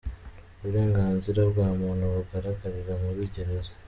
Uburenganzira bwa muntu bugaragarira muri gereza .